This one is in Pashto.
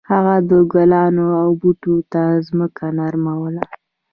هغه د ګلانو او بوټو ته ځمکه نرموله.